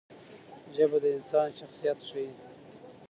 ژبه د انسان شخصیت ښيي.